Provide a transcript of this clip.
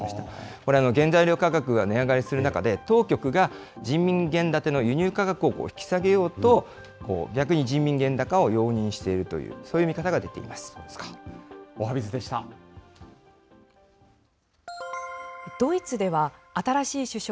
これ、原材料価格が値上がりする中で、当局が人民元建ての輸入価格を引き下げようと、逆に人民元高を容認しているという、そういおはＢｉｚでした。